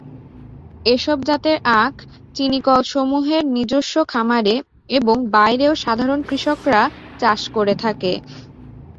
এসব জাতের আখ চিনিকলসমূহের নিজস্ব খামারে এবং বাইরেও সাধারণ কৃষকরা চাষ করে থাকে।